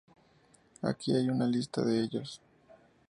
Aquí hay una lista de ellos.